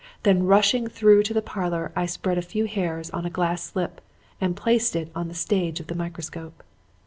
Then rushing through to the parlor, I spread a few hairs on a glass slip and placed it on the stage of the microscope.